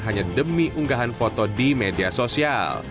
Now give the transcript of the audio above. hanya demi unggahan foto di media sosial